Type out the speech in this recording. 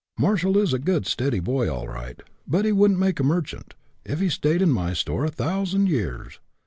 Marshall is a good, steady boy, all right, but he wouldn't make a merchant if he stayed in my store a thousand years.